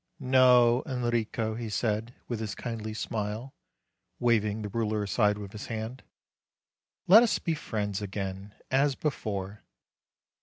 "No, Enrico," he said, with his kindly smile, wav ing the ruler aside with his hand; "let us be friends again, as before."